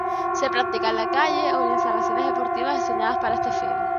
Se practica en la calle o en instalaciones deportivas diseñadas para este fin.